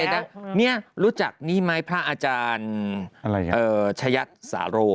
นี่รู้จักนี่ไหมพระอาจารย์ชะยัดสาโร